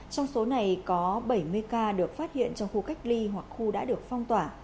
trong số này có bảy mươi ca được phát hiện trong khu cách ly hoặc khu đã được phong tỏa